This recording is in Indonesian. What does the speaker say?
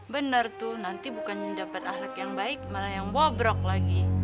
benar tuh nanti bukan dapat ahlak yang baik malah yang bobrok lagi